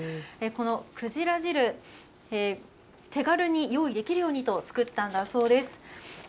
このくじら汁、手軽に用意できるようにと作ったんだそうです。